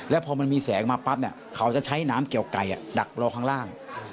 แล้วพอมันมีแสงมาปั๊บเขาจะใช้น้ำเกี่ยวไก่ดักรอข้างล่าง